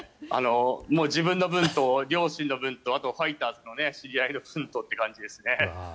自分の分と両親の分とあと、ファイターズの知り合いの分とという感じですね。